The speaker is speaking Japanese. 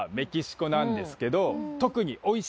なんですけど。